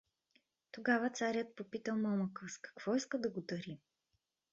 Тогава царят попитал момъка с какво иска да го дари.